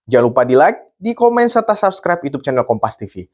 jangan lupa di like di komen serta subscribe youtube channel kompastv